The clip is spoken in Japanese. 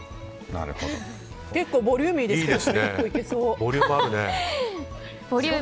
結構ボリューミーですね。